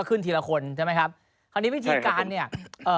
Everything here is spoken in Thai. ทีละคนใช่ไหมครับคราวนี้วิธีการเนี่ยเอ่อ